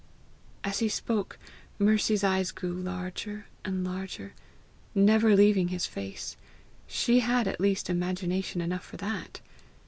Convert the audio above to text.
As he spoke, Mercy's eyes grew larger and larger, never leaving his face. She had at least imagination enough for that!